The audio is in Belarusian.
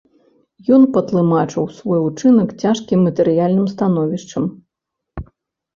Ён патлумачыў свой учынак цяжкім матэрыяльным становішчам.